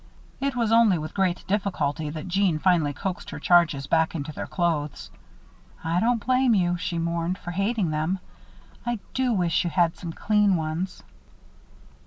It was only with great difficulty that Jeanne finally coaxed her charges back into their clothes. "I don't blame you," she mourned, "for hating them. I do wish you had some clean ones."